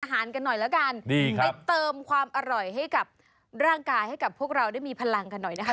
กันหน่อยแล้วกันไปเติมความอร่อยให้กับร่างกายให้กับพวกเราได้มีพลังกันหน่อยนะคะ